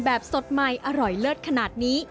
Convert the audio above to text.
แบบสดใหม่อร่อยเลือดขนาดนี้